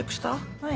はい。